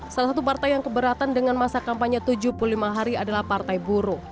salah satu partai yang keberatan dengan masa kampanye tujuh puluh lima hari adalah partai buruh